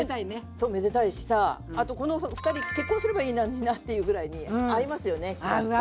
そうめでたいしさあとこのふたり結婚すればいいのになっていうぐらいに合いますよね